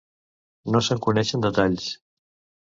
No se'n coneixen detalls.